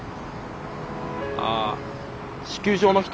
ああ地球上の人。